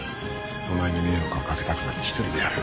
お前に迷惑はかけたくない１人でやる。